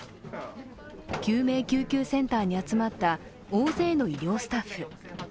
救命救急センターに集まった大勢の医療スタッフ。